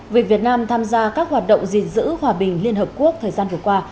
việc việt nam tham gia các hoạt động gìn giữ hòa bình liên hợp quốc thời gian vừa qua